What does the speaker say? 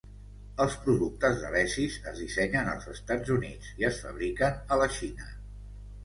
Els productes d'Alesis es dissenyen als Estats Units i es fabriquen a la Xina.